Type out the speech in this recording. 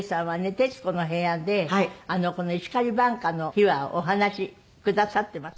『徹子の部屋』でこの『石狩挽歌』の秘話をお話しくださってます。